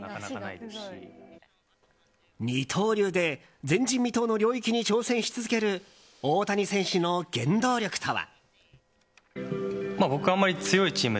二刀流で前人未到の領域に挑戦し続ける大谷選手の原動力とは。